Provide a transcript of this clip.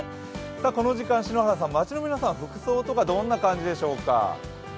この時間、篠原さん、街の皆さんの服装はどんな感じでしょうか